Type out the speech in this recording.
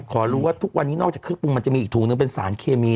ขอรู้ว่าทุกวันนี้นอกจากเครื่องปรุงมันจะมีอีกถุงนึงเป็นสารเคมี